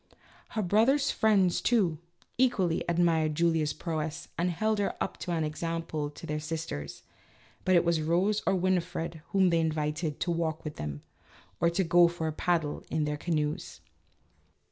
Her brother's friends, too, equally admired Julia's prowess and held her up as an example to their sis ters, but it was Rose or Winifred whom they invited to walk with them, or to go for a paddle in their canoes.